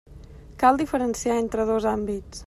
Cal diferenciar entre dos àmbits.